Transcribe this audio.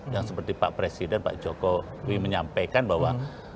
yang seperti pak presiden pak joko widodo menyampaikan bahwa